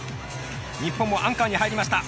日本もアンカーに入りました。